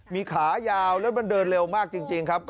มีขายาวแล้วมันเดินเร็วมากจริงครับ